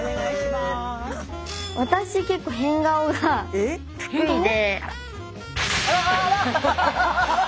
私結構変顔が得意で。